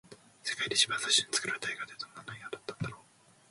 世界で一番最初に作られた映画って、どんな内容だったんだろう。